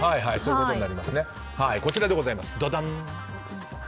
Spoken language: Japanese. こちらでございます。